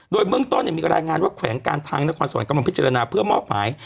โดยเบื้องต้นมีรายงานว่าแขวงการทางนครสวรรค์กำลังพิจารณาเพื่อมอบหมาย